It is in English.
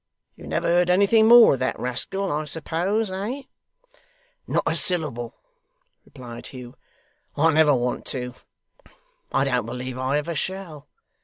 You never heard anything more of that rascal, I suppose, eh?' 'Not a syllable,' replied Hugh. 'I never want to. I don't believe I ever shall.